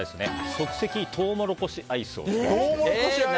即席トウモロコシアイスを作るべしです。